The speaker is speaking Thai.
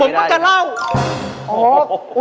ผมก็จะเล่า